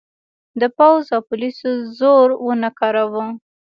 د پوځ او پولیسو زور ونه کاراوه.